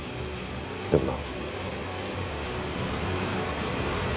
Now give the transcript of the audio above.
でもな。